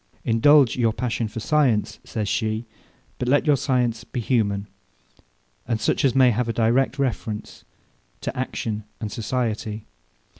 Indulge your passion for science, says she, but let your science be human, and such as may have a direct reference to action and society.